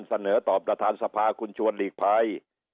เสนอต่อประธานสภาคุณชวนหลีกภัย